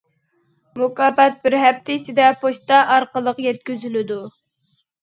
مۇكاپات بىر ھەپتە ئىچىدە پوچتا ئارقىلىق يەتكۈزۈلىدۇ.